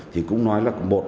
thì cũng nói là một